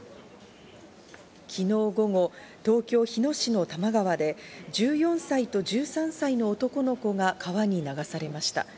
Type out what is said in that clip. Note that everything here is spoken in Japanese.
昨日午後、東京・日野市の多摩川で１４歳と１３歳の男の子が川に流されました。